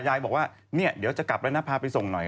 ยายบอกว่าเนี่ยเดี๋ยวจะกลับแล้วนะพาไปส่งหน่อย